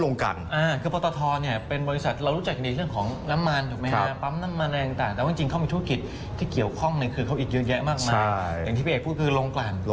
ลงกลั่นครึ่งปีนี้เรามองว่าอย่างไรครับลงกลั่น